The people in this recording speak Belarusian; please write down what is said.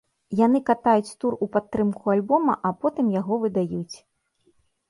Яны катаюць тур у падтрымку альбома, а потым яго выдаюць.